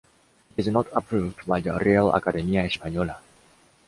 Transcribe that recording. It is not approved by the Real Academia Española.